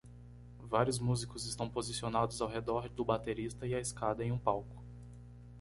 Vários músicos estão posicionados ao redor do baterista e a escada em um palco